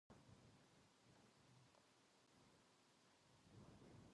学園祭は楽しいです。